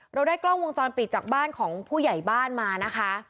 เราได้กล้องวงจรปิดจากบ้านของผู้ใหญ่บ้านมานะคะ